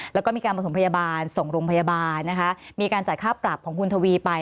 แล้วก็มีการประถมพยาบาลส่งโรงพยาบาลนะคะมีการจ่ายค่าปรับของคุณทวีไป